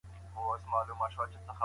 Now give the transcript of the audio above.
زهر د جاسوس له خوا خوړل کيږي.